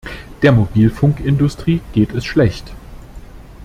Der Mobilfunkindustrie geht es schlecht.